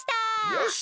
よし！